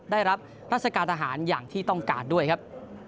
ได้รับราชการทหารอย่างที่ต้องการด้วยครับ